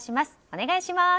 お願いします。